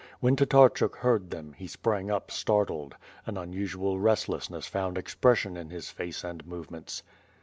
When Tatarchuk heard them, he sprang up startled. An unusual restlessness found expression in his face and movements.